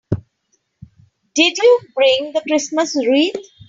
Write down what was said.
Did you bring the Christmas wreath?